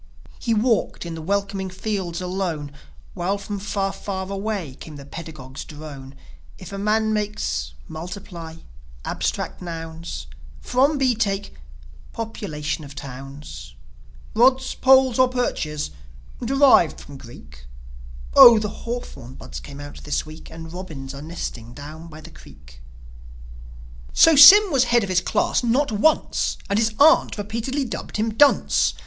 He walked in the welcoming fields alone, While from far, far away came the pedagogue's drone: "If a man makes .. .Multiply ... Abstract nouns ... From B take .. .Population of towns ... Rods, poles or perches ... Derived from Greek Oh, the hawthorn buds came out this week, And robins are nesting down by the creek. So Sym was head of his class not once; And his aunt repeatedly dubbed him "Dunce."